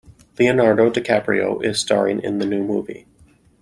Leonardo DiCaprio is staring in the new movie.